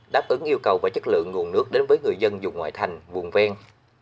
đáp ứng yêu cầu và chất lượng nguồn nước đến với người dân dùng ngoại thành vùng ven